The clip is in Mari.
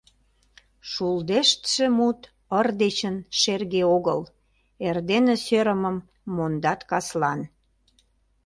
Шулдештше мут ыр дечын шерге огыл: эрдене сӧрымым мондат каслан.